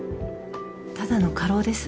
ただの過労です